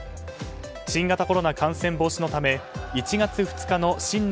新型コロナ感染防止のため１月２日の新年